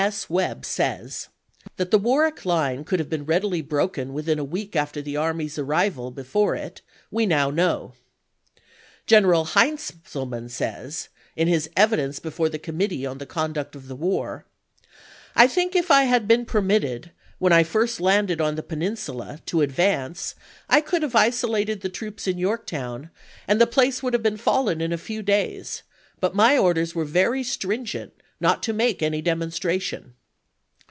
S. Webb says: "That the Warwick line could have been readily broken with in a week after the army's arrival before it, we now "The pen know." General Heintzelman says, in his evidence p ^^'^ before the Committee on the Conduct of the War :" I think if I had been permitted, when I first landed on the Peninsula, to advance, I could have isolated of »? the troops in Yorktown, and the place would have ^Z^e ^® fallen in a few days; but my orders were very tnewar" stringent not to make any demonstration."